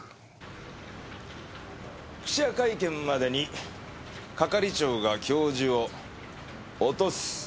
記者会見までに係長が教授を落とす。